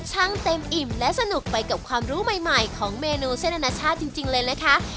ช่างเต็มอิ่มและสนุกไปกับความรู้ใหม่ของเมนูเส้นอนาชาติจริงเลยนะคะ